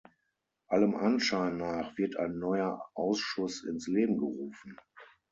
Allem Anschein nach wird ein neuer Ausschuss ins Leben gerufen.